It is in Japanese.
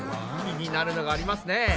気になるのがありますね！